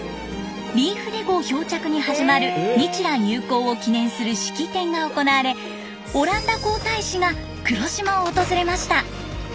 リーフデ号漂着に始まる日蘭友好を記念する式典が行われオランダ皇太子が黒島を訪れました。